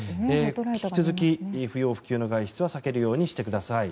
引き続き不要不急の外出は避けるようにしてください。